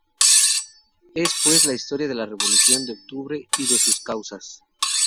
Es, pues la historia de la Revolución de Octubre y de sus causas.